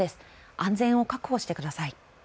安全を確保してください。